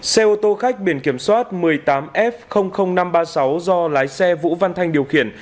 xe ô tô khách biển kiểm soát một mươi tám f năm trăm ba mươi sáu do lái xe vũ văn thanh điều khiển